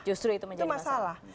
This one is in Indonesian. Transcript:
justru itu menjadi masalah